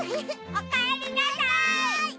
おかえりなさい！